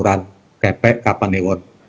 kepala wono sari kabupaten